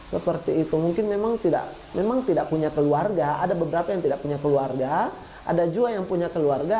seperti itu mungkin memang tidak memang tidak punya keluarga ada beberapa yang tidak punya keluarga ada juga yang punya keluarga